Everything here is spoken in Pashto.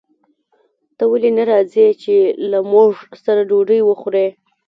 ته ولې نه راځې چې له موږ سره ډوډۍ وخورې